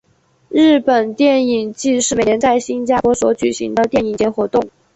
日本电影祭是每年在新加坡所举行的电影节活动。